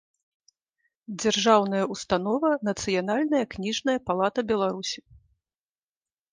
Дзяржаўная ўстанова «Нацыянальная кнiжная палата Беларусi»